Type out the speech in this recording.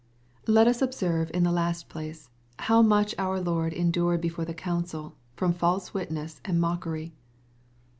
/ Let us observe, in the last place, how much our Lord j endured before the council, Jrom false witness and mockery.